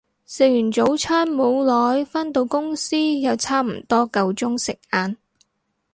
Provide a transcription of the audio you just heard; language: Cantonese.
食完早餐冇耐，返到公司又差唔多夠鐘食晏